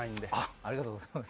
ありがとうございます。